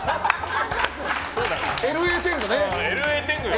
ＬＡ天狗ね。